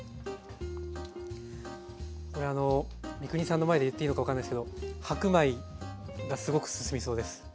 これあの三國さんの前で言っていいのか分かんないですけど白米がすごく進みそうです。